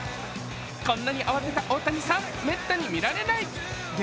こんなに慌てた大谷さん、めったに見られない激